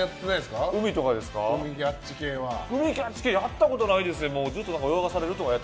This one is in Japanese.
海キャッチ系やったことないですね。